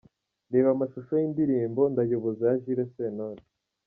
Reba amashusho y’indirimbo "Ndayoboza" ya Jules Sentore.